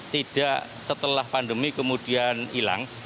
tidak setelah pandemi kemudian hilang